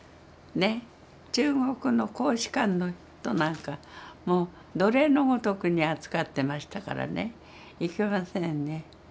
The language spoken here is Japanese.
中国の公使館の人なんかもう奴隷のごとくに扱ってましたからねいけませんね。